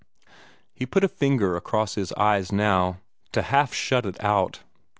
He put a finger across his eyes now, to half shut it out.